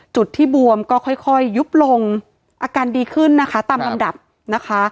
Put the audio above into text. จุดที่บวมก็ค่อยยุบลงอาการดีขึ้นนะคะตามลำดับนะคะ